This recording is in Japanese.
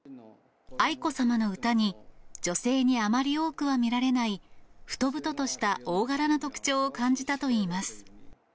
愛子さまの歌に、女性にあまり多くは見られない、太々とした大柄な特徴を感じたといいます。